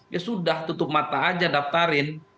ya sudah tutup mata aja daftarin